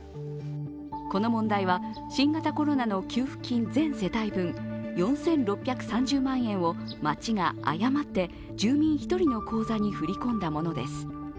この問題は、新型コロナの給付金全世帯分４６３０万円を町が誤って、住民１人の口座に振り込んだものです。